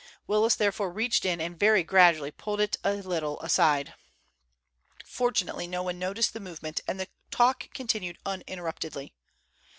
Willis therefore reached in and very gradually pulled it a little aside. Fortunately no one noticed the movement, and the talk continued uninterruptedly.